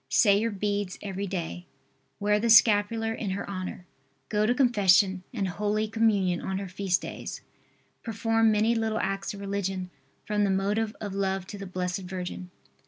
Say your beads every day. Wear the scapular in her honor. Go to Confession and Holy Communion on her feast days. Perform many little acts of religion from the motive of love to the Blessed Virgin.